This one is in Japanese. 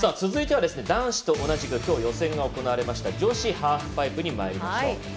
続いては男子と同じく、きょう予選が行われた女子ハーフパイプにまいります。